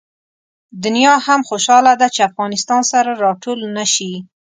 دنیا هم خوشحاله ده چې افغانستان سره راټول نه شي.